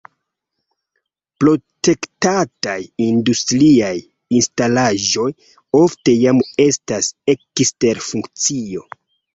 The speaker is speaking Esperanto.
Protektataj industriaj instalaĵoj ofte jam estas ekster funkcio.